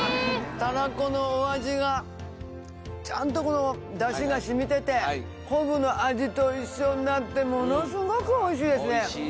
たらこの味がちゃんとこのダシが染みてて昆布の味と一緒になってものスゴくおいしいですね。